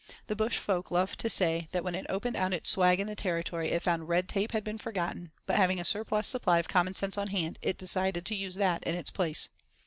The bush folk love to say that when it opened out its swag in the Territory it found red tape had been forgotten, but having a surplus supply of common sense on hand, it decided to use that in its place.